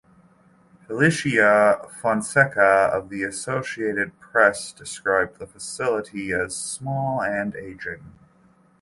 Felicia Fonseca of the Associated Press described the facility as "small" and "aging".